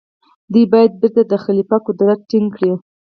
دوی باید بيرته د خليفه قدرت ټينګ کړي.